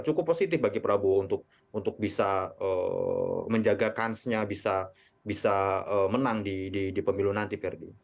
cukup positif bagi prabowo untuk bisa menjaga kansnya bisa menang di pemilu nanti ferdi